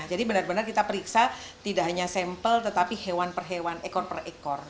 jadi benar benar kita periksa tidak hanya sampel tetapi hewan per hewan ekor per ekor